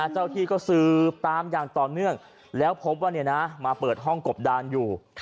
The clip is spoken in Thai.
เจ้าที่ก็สืบตามอย่างต่อเนื่องแล้วพบว่ามาเปิดห้องกบดานอยู่